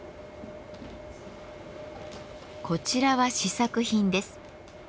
こちらは試作品です。